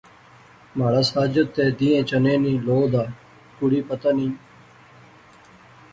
مہاڑا ساجد تہ دیئں چنے نی لو دا، کڑی پتہ نئیں؟